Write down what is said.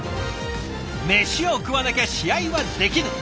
メシを食わなきゃ試合はできぬ。